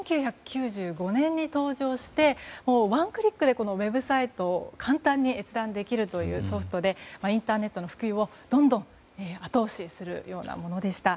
１９９５年に登場してワンクリックでウェブサイトを簡単に閲覧できるソフトでインターネットの普及をどんどん後押しするようなものでした。